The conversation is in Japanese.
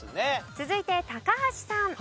続いて高橋さん。